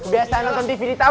berisik banget sih lo padahal